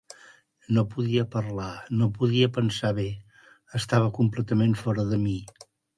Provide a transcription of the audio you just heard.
No podia parlar, no podia pensar bé, estava completament fora de mi.